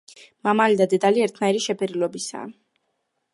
მამალი და დედალი ერთნაირი შეფერილობისაა.